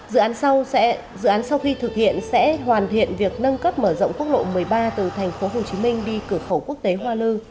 dự án sau khi thực hiện sẽ hoàn thiện việc nâng cấp mở rộng quốc lộ một mươi ba từ thành phố hồ chí minh đi cửa khẩu quốc tế hoa lư